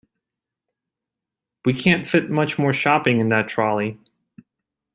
We can’t fit much more shopping in that trolley